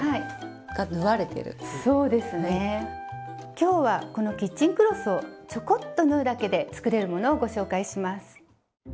今日はこのキッチンクロスをちょこっと縫うだけで作れるものをご紹介します。